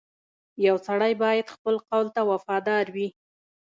• یو سړی باید خپل قول ته وفادار وي.